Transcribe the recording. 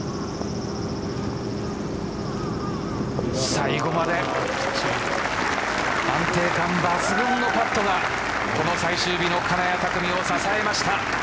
最後まで安定感抜群のパットはこの最終日の金谷拓実を支えました。